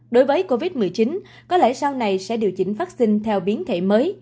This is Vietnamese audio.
đối với covid một mươi chín có lẽ sau này sẽ điều chỉnh vaccine theo biến thể mới